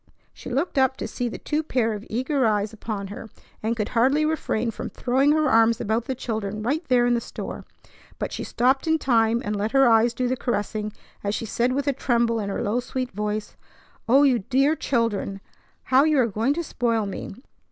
She looked up to see the two pairs of eager eyes upon her, and could hardly refrain from throwing her arms about the children right there in the store; but she stopped in time and let her eyes do the caressing, as she said with a tremble in her low, sweet voice: "O you dear children! How you are going to spoil me!